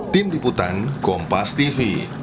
tim liputan kompas tv